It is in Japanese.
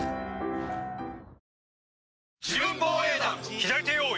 左手用意！